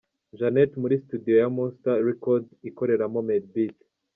Janet muri Studio ya Monster Record ikoreramo Made Beat.